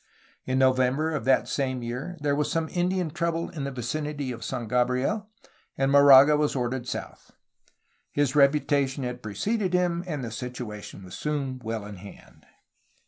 In November of that same year there was some Indian trouble in the vicinity of San Gabriel, and Moraga was ordered south. His reputation had preceded him, and the situation was soon well in hand.